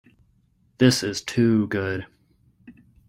This is too good.